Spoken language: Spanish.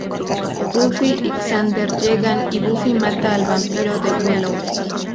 Buffy y Xander llegan, y Buffy mata al vampiro de Willow.